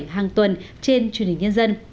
hàng tuần trên chương trình nhân dân